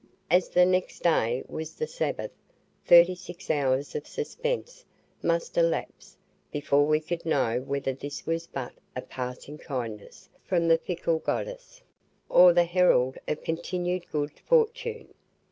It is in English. As the next day was the Sabbath, thirty six hours of suspense must elapse before we could know whether this was but a passing kindness from the fickle goddess, or the herald of continued good fortune.